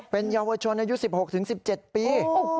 เป็นเยาวชนอายุ๑๖๑๗ปี